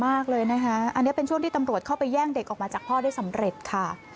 เลยนะคะอันนี้เป็นช่วงที่ตำรวจเข้าไปแย่งเด็กออกมาจากพ่อได้สำเร็จค่ะ